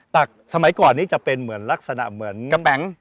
สมัยก่อนนี้จะเป็นเหมือนลักษณะเหมือนกระแป๋ง